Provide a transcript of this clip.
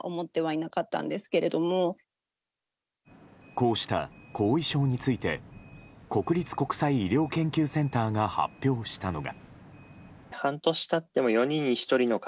こうした後遺症について国立国際医療研究センターが発表したのが。